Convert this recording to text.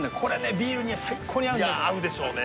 ビールに最高に合うんだよいや合うでしょうね